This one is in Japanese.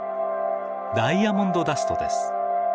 ダイヤモンドダストです。